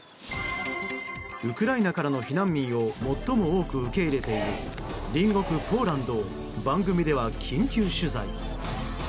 ウクライナからの避難民を最も多く受け入れている隣国ポーランドを番組では緊急取材。